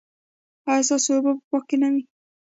ایا ستاسو اوبه به پاکې نه وي؟